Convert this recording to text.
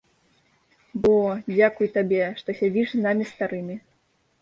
Во, дзякуй табе, што сядзіш з намі старымі.